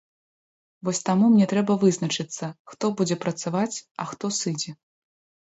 Вось таму мне трэба вызначыцца, хто будзе працаваць, а хто сыдзе.